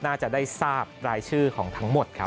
น่าจะได้ทราบรายชื่อของทั้งหมดครับ